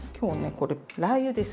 これラー油です。